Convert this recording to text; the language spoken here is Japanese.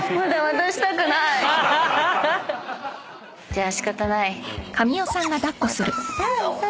じゃあ仕方ない。